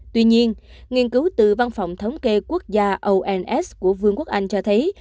tuy nhiên nghiên cứu từ văn phòng thống kê quốc gia ons của vương quốc anh cho thấy